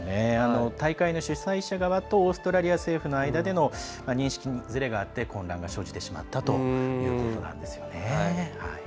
大会の主催者側とオーストラリア政府の間に認識にずれがあって混乱が生じてしまったということなんですね。